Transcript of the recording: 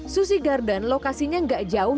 susi garden lokasinya gak jauh